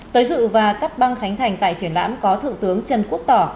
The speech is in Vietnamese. tới dự và cắt băng khánh thành tại triển lãm có thượng tướng trần quốc tỏ